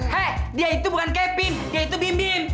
he dia itu bukan kevin dia itu bim bim